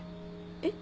えっ？